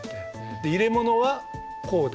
で入れ物はこうで。